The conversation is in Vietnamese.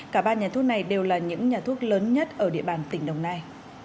cả ba nhà thuốc này đều là những nhà thuốc lớn nhất ở địa bàn tỉnh đồng nai